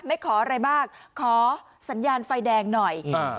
ขออะไรมากขอสัญญาณไฟแดงหน่อยอ่า